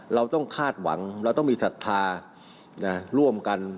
เราต้องคาดหวังเราต้องมีศรัทธาร่วมกัน